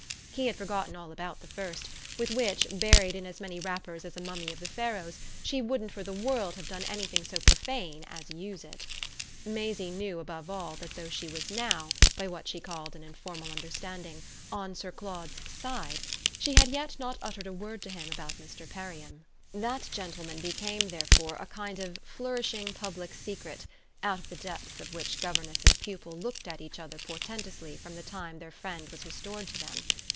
He had forgotten all about the first, with which, buried in as many wrappers as a mummy of the Pharaohs, she wouldn't for the world have done anything so profane as use it. Maisie knew above all that though she was now, by what she called an informal understanding, on Sir Claude's "side," she had yet not uttered a word to him about Mr. Perriam. That gentleman became therefore a kind of flourishing public secret, out of the depths of which governess and pupil looked at each other portentously from the time their friend was restored to them.